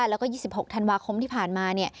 แล้วก็ยี่สิบหกธันวาคมที่ผ่านมาเนี้ย